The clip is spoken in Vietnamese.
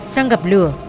xăng gặp lửa